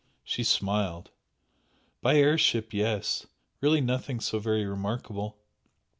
She smiled. "By air ship yes! Really nothing so very remarkable!